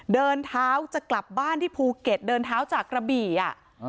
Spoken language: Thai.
เดินเท้าจะกลับบ้านที่ภูเก็ตเดินเท้าจากกระบี่อ่ะ